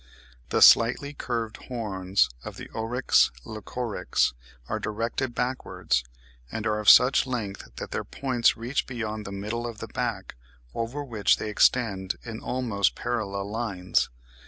The slightly curved horns of the Oryx leucoryx (Fig. 63) are directed backwards, and are of such length that their points reach beyond the middle of the back, over which they extend in almost parallel lines.